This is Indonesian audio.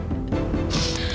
aku harus berkampung